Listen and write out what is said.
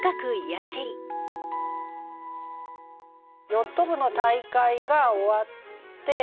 ヨット部の大会が終わって。